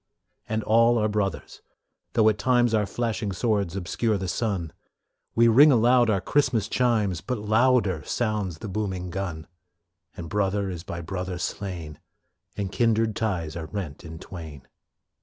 And all are brothers, though at times Our flashing swords obscure the sun. We ring aloud our Christmas chimes, But louder sounds the booming gun, And brother is by brother slain, And kindred ties are rent in twain.